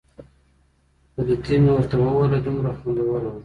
پلتۍ مې ورته ووهله، دومره خوندوره وه.